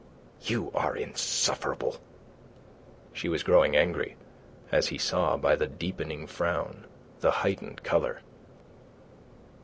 "You are insufferable!" She was growing angry, as he saw by the deepening frown, the heightened colour.